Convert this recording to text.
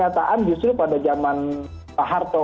pernyataan justru pada zaman pak harto